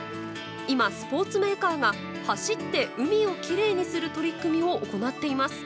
今、スポーツメーカーが走って海をきれいにする取り組みを行っています。